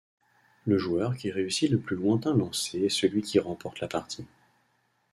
Le joueur qui réussit le plus lointain lancé est celui qui remporte la partie.